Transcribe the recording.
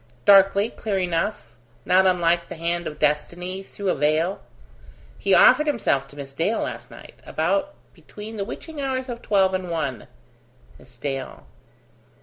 "Darkly: clear enough: not unlike the hand of destiny through a veil. He offered himself to Miss Dale last night, about between the witching hours of twelve and one." "Miss Dale